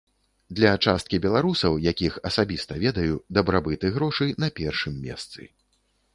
Для часткі беларусаў, якіх асабіста ведаю, дабрабыт і грошы на першым месцы.